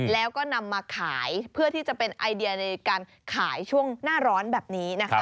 แล้วก็นำมาขายเพื่อที่จะเป็นไอเดียในการขายช่วงหน้าร้อนแบบนี้นะคะ